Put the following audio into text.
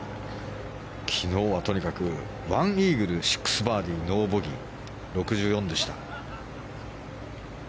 昨日はとにかく１イーグル、６バーディーノーボギーの６４でした。